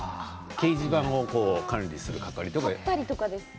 掲示板を管理する係です。